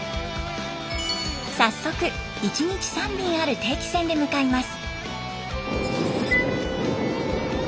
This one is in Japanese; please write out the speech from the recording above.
早速１日３便ある定期船で向かいます。